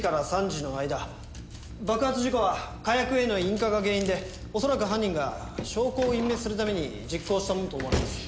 爆発事故は火薬への引火が原因で恐らく犯人が証拠を隠滅するために実行したものと思われます。